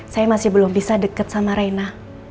saya masih belum bisa deket sama reina